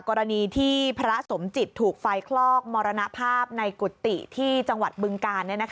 กรณีที่พระสมจิตถูกไฟคลอกมรณภาพในกุฏิที่จังหวัดบึงกาล